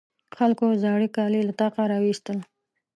خلکو زاړې کالي له طاقه راواېستل.